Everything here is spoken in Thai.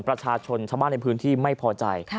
ประชาชนชาวบ้านในพื้นที่ไม่พอใจ